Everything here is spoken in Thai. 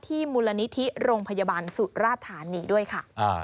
มูลนิธิโรงพยาบาลสุราธานีด้วยค่ะ